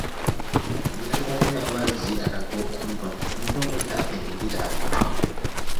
Njagalayo amazzi ag'okunywa ennyonta enzita.